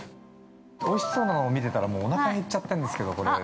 ◆おいしそうなのを見てたらおなか減っちゃってんですけど。